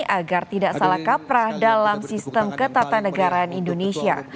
agar tidak salah kaprah dalam sistem ketatanegaraan indonesia